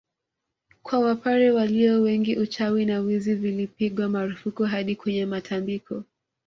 Kwa wapare walio wengi uchawi na wizi vilipigwa marufuku hadi kwenye matambiko